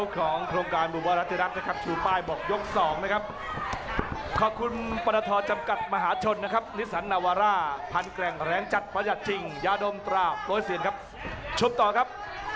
ก็มีอันนี้แชมป์โลกกุญญี่ยงใหญ่นะครับ